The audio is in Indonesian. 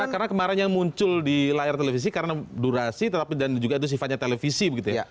karena kemarin yang muncul di layar televisi karena durasi dan juga sifatnya televisi begitu ya